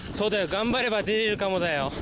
頑張れば出られるかもだよ。